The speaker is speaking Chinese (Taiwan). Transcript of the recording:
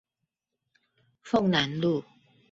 鳳楠路